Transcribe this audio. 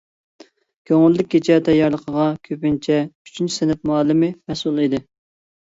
كۆڭۈللۈك كېچە تەييارلىقىغا كۆپىنچە ئۈچىنچى سىنىپ مۇئەللىمى مەسئۇل ئىدى.